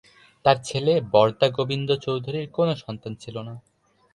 তাঁর ছেলে বরদা গোবিন্দ চৌধুরীর কোনো সন্তান ছিল না।